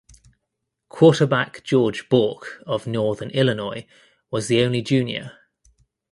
Quarterback George Bork of Northern Illinois was the only junior.